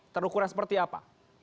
terukuran seperti apa